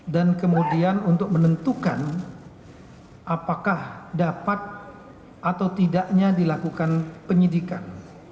dan kemudian untuk menentukan apakah dapat atau tidaknya dilakukan penyidikan